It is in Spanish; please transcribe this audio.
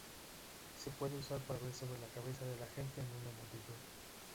Se puede usar para ver sobre la cabeza de la gente en una multitud.